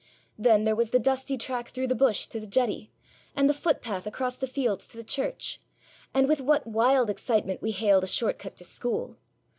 Then there was the dusty track through the bush to the jetty; and the footpath across the fields to the church. And with what wild excitement we hailed a short cut to school!